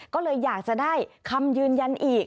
ก็เลยอยากจะได้คำยืนยันอีก